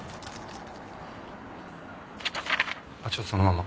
ちょっとそのまま。